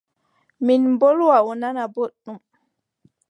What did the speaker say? Min mbolwa o nana boɗɗum.